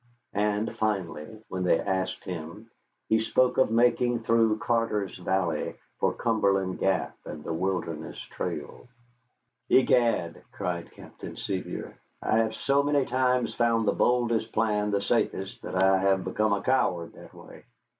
And finally, when they asked him, he spoke of making through Carter's Valley for Cumberland Gap and the Wilderness Trail. "Egad," cried Captain Sevier, "I have so many times found the boldest plan the safest that I have become a coward that way.